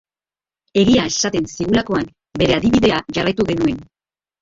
Egia esaten zigulakoan, bere adibidea jarraitu genuen.